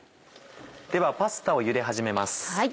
ではパスタをゆで始めます。